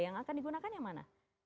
yang akan digunakan yang mana